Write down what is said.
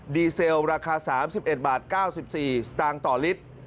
เซลราคา๓๑บาท๙๔สตางค์ต่อลิตร